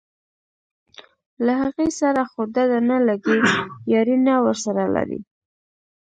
له هغې سره خو دده نه لګي یاري نه ورسره لري.